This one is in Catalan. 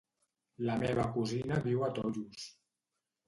La meva cosina viu a Tollos.